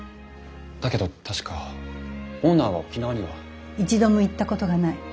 だけど確かオーナーは沖縄には。一度も行ったことがない。